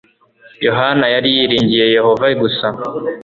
Yohana yari yiringiye Yehova gusa.